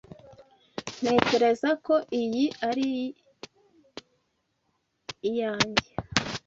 Ntekereza ko iyi ari iyanjye.